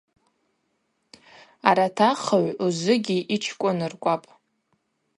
Арат ахыгӏв ужвыгьи йчкӏвыныркӏвапӏ.